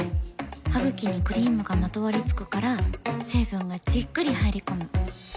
ハグキにクリームがまとわりつくから成分がじっくり入り込む。